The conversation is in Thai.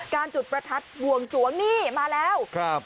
การจุดประทัดวงสวงนี่มาแล้ว